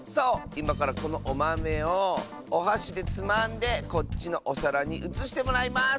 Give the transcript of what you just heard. いまからこのおまめをおはしでつまんでこっちのおさらにうつしてもらいます！